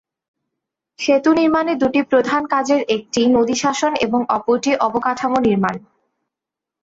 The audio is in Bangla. সেতু নির্মাণে দুটি প্রধান কাজের একটি নদী শাসন এবং অপরটি অবকাঠামো নির্মাণ।